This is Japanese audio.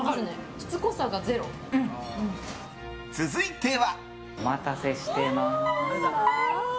続いては。